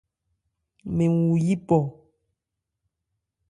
Mɛn wu yípɔ.